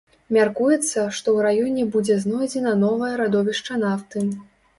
Мяркуецца, што ў раёне будзе знойдзена новае радовішча нафты.